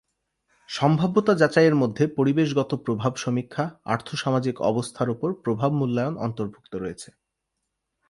সম্ভাব্যতা যাচাইয়ের মধ্যে পরিবেশগত প্রভাব সমীক্ষা, আর্থসামাজিক অবস্থার ওপর প্রভাব মূল্যায়ন অন্তর্ভুক্ত রয়েছে।